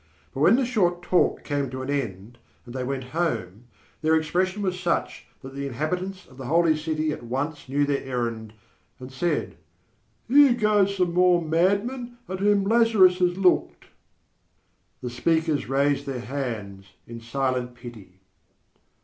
But when the short talk came to an end and they went home, their expression was such that the inhabitants of the Holy City at once knew their errand and said: "Here go some more madmen at whom Lazarus has looked." The speakers raised their hands in silent pity.